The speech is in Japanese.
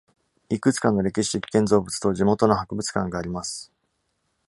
いくつかの歴史的建造物と地元の博物館があります。